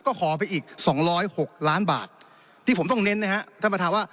ก็ขอไปอีก๒๐๖ล้านบาทที่ผมต้องเน้นนะฮะท่านประธานว่า